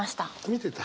見てた？